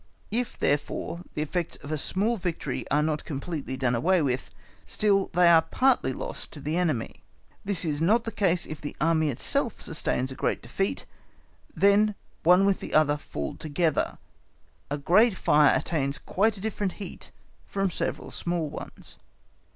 If, therefore, the effects of a small victory are not completely done away with, still they are partly lost to the enemy. This is not the case if the Army itself sustains a great defeat; then one with the other fall together. A great fire attains quite a different heat from several small ones.